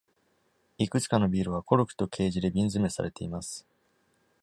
いくつかのビールは、コルクとケージで瓶詰めされています。